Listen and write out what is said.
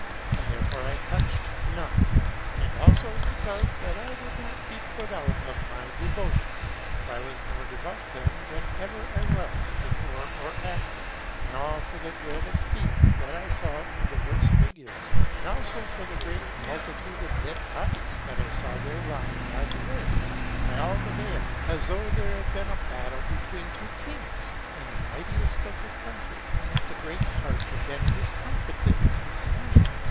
And therefore I touched none, and also because that I would not be put out of my devotion; for I was more devout then, than ever I was before or after, and all for the dread of fiends that I saw in diverse figures, and also for the great multitude of dead bodies, that I saw there lying by the way, by all the vale, as though there had been a battle between two kings, and the mightiest of the country, and that the greater part had been discomfited and slain.